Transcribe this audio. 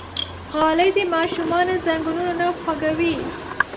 غالۍ د ماشومانو زنګونونه نه خوږوي.